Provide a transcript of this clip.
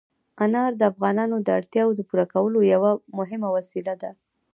انار د افغانانو د اړتیاوو د پوره کولو یوه مهمه وسیله ده.